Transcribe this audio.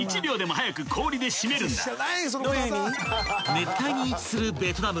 ［熱帯に位置するベトナム］